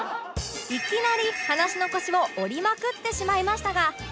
いきなり話の腰を折りまくってしまいましたが